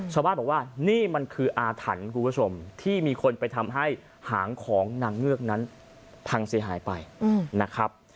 ชาวบ้านบอกว่านี่มันคืออาถรรพ์คุณผู้ชมที่มีคนไปทำให้หางของนางเงือกนั้นพังเสียหายไปนะครับ